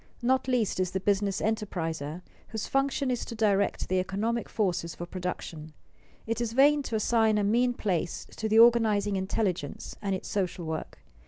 Not least is the business enterpriser, whose function is to direct the economic forces for production. It is vain to assign a mean place to the organizing intelligence and its social work.